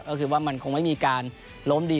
ก็คือว่ามันคงไม่มีการล้มดี